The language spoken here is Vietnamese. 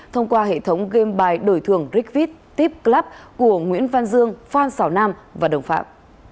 thông qua hệ thống game bài đổi thường rigvit tip club của nguyễn văn dương phan xảo nam và đồng phạm